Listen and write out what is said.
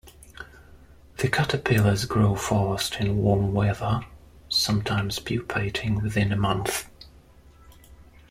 The caterpillars grow fast in warm weather, sometimes pupating within a month.